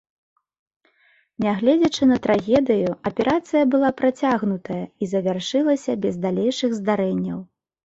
Нягледзячы на трагедыю, аперацыя была працягнутая і завяршылася без далейшых здарэнняў.